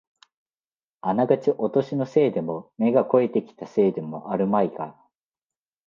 あながちお年のせいでも、目が肥えてきたせいでもあるまいが、